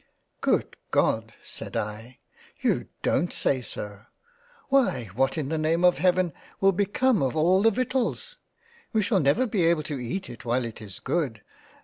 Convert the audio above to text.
" Good God ! (said I) you dont say so ? Why what in the name of Heaven will become of all the Victuals ! We shall never be able to eat it while it is good.